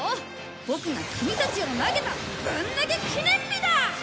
ボクがキミたちを投げたぶん投げ記念日だ！